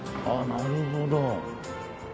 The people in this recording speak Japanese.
なるほど。